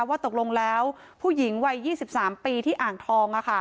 ว่าตกลงแล้วผู้หญิงวัย๒๓ปีที่อ่างทอง